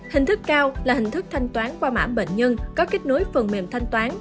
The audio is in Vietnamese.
hình thức cao là hình thức thanh toán qua mã bệnh nhân có kết nối phần mềm thanh toán